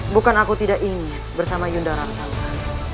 bukan aku tidak ingin bersama yunda raksasa